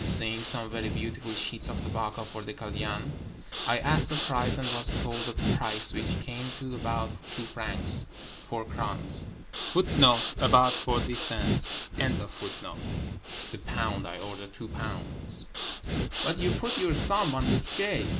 Seeing some very beautiful sheets of tobacco for the kalyan, I asked the price, and was told a price which came to about two francs — four krans ^— the pound. I ordered two pounds. "But you put your thumb on the scales!"